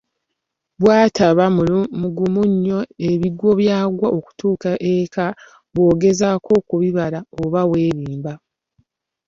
Bw’ataba mugumu nnyo ebigwo byagwa okutuuka eka bw'ogezaako okubibala oba weerimba!